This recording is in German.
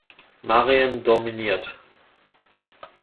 Marien“ dominiert.